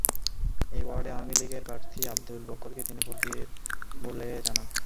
এই ওয়ার্ডে আওয়ামী লীগের প্রার্থী আবদুল বাকেরকে তিনি ভোট দেন বলে জানান।